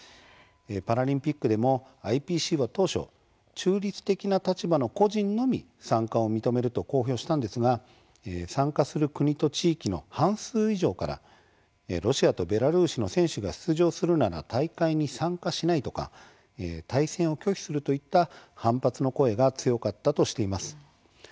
パラリンピックでもＩＰＣは当初中立的な立場の個人のみ参加を認めると公表したんですが参加する国と地域の半数以上から「ロシアとベラルーシの選手が出場するなら大会に参加しない」とか「対戦を拒否する」といった反発の声が強かったとしています。